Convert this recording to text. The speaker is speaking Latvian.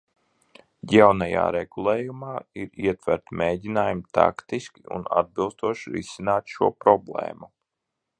Jaunajā regulējumā ir ietverti mēģinājumi taktiski un atbilstoši risināt šo problēmu.